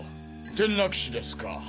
転落死ですか？